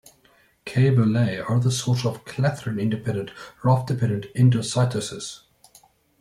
Caveolae are one source of clathrin-independent raft-dependent endocytosis.